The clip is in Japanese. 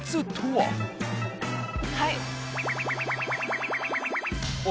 はい。